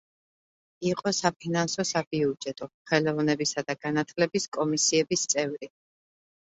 იყო საფინანსო-საბიუჯეტო, ხელოვნებისა და განათლების კომისიების წევრი.